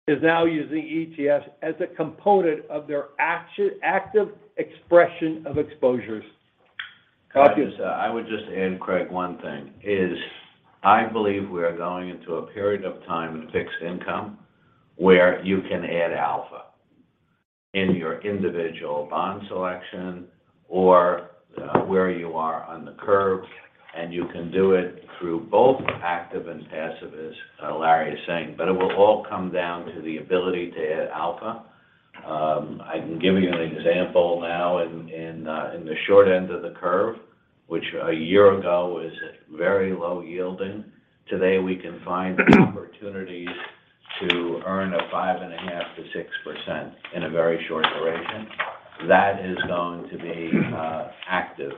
is now using ETFs as a component of their active expression of exposures. I would just add, Craig, one thing, is I believe we are going into a period of time in fixed income where you can add alpha in your individual bond selection or, where you are on the curve, and you can do it through both active and passive, as, Larry is saying. It will all come down to the ability to add alpha. I can give you an example now in the short end of the curve, which a year ago was very low yielding. Today, we can find opportunities to earn a 5.5%-6% in a very short duration. That is going to be active.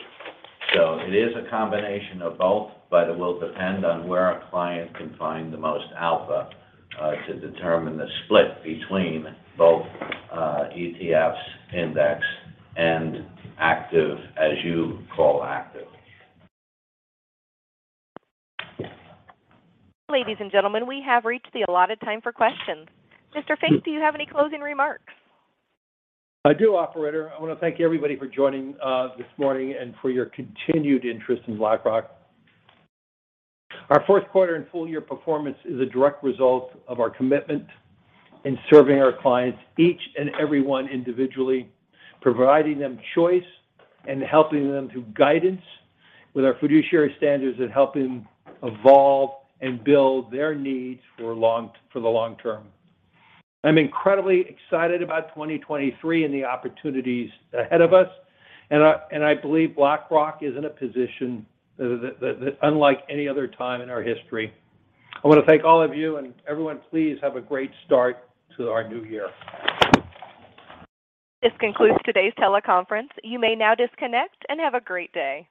It is a combination of both, but it will depend on where a client can find the most alpha to determine the split between both ETFs index and active, as you call active. Ladies and gentlemen, we have reached the allotted time for questions. Mr. Fink, do you have any closing remarks? I do, operator. I want to thank everybody for joining, this morning and for your continued interest in BlackRock. Our fourth quarter and full year performance is a direct result of our commitment in serving our clients, each and every one individually, providing them choice and helping them through guidance with our fiduciary standards and helping evolve and build their needs for the long term. I'm incredibly excited about 2023 and the opportunities ahead of us, and I, and I believe BlackRock is in a position that unlike any other time in our history. I wanna thank all of you and everyone, please have a great start to our new year. This concludes today's teleconference. You may now disconnect and have a great day.